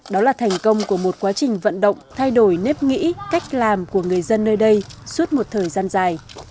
đó là thành công của một quá trình vận động thay đổi nếp nghĩ cách làm của người dân nơi đây suốt một thời gian dài